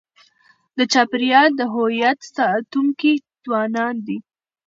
د چاپېریال د هویت ساتونکي ځوانان دي.